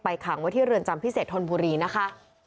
ขังไว้ที่เรือนจำพิเศษธนบุรีนะคะ